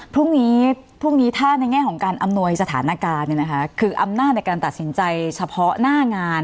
พรุ่งนี้พรุ่งนี้ถ้าในแง่ของการอำนวยสถานการณ์คืออำนาจในการตัดสินใจเฉพาะหน้างาน